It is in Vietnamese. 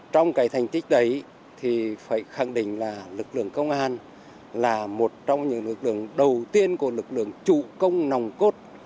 trong cái thành tích đấy thì phải khẳng định là lực lượng công an là một trong những lực đường đầu tiên của lực lượng chủ công nòng cốt